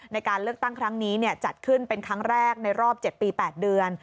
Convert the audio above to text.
ในการเลือกตั้งครั้งนี้จัดขึ้นเป็นครั้งแรกในรอบ๗ปี๘เดือน